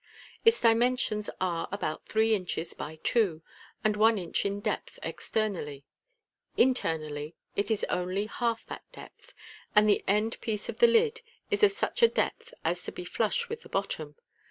Its dimensions are about three inches by two, and one inch in depth externally ; internally, it is onl\ hnlf that depth, and the end piece of the lid is of such a depth as to be flush with the bottom.